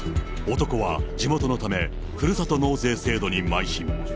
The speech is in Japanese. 男は地元のため、ふるさと納税制度にまい進。